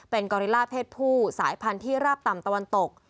เป็นกอริล่าเพศผู้สายพันธุ์ที่ราบต่ำตะวันตก